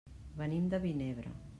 Venim de Vinebre.